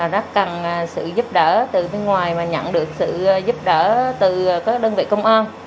rất cần sự giúp đỡ từ phía ngoài mà nhận được sự giúp đỡ từ các đơn vị công an